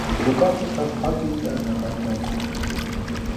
Լուկասը շատ փակ է իր անձնական կյանքում։